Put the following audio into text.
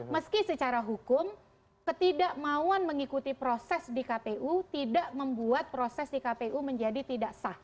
meski secara hukum ketidakmauan mengikuti proses di kpu tidak membuat proses di kpu menjadi tidak sah